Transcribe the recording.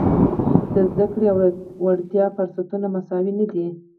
د زده کړې او وړتیاوو فرصتونه مساوي نه دي.